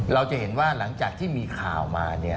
เราจะเห็นว่าหลังจากที่มีข่าวมา